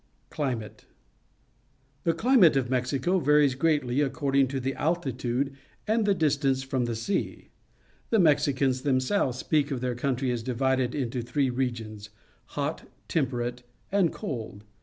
Climate. — The climate of Mexico varies greatly according to the altitude and the distance from the sea. The Mexicans them selves speak of their country as divided into three regions — hot, temperate, and cold.